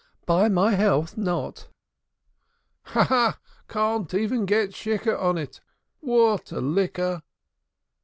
"By my health, not." "Ha! Ha! Ha! Can't even get shikkur on it. What a liquor!"